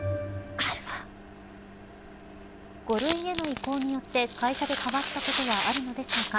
５類への移行によって会社で変わったことはあるのでしょうか。